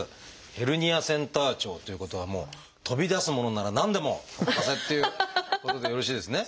ヘルニアセンター長ということはもう飛び出すものなら何でもお任せっていうことでよろしいですね？